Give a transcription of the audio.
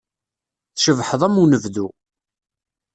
Tcebḥeḍ am unebdu.